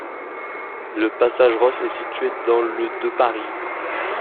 Le passage Rauch est situé dans le de Paris.